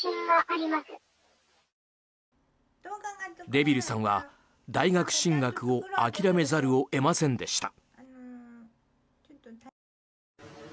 デビルさんは大学進学を諦めざるを得ませんでした。